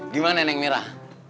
gimana neng mirah